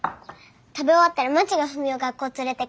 食べ終わったらまちがふみお学校連れてく。